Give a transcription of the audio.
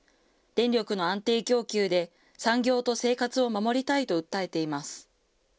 電力の安定供給で産業と生活を守りたいと訴えています。